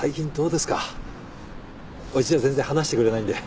うちじゃ全然話してくれないんで。